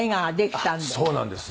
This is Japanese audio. そうなんです。